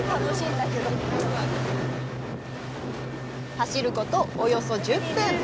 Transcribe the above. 走ることおよそ１０分。